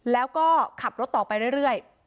แล้วก็ขับรถต่อไปเรื่อยเรื่อย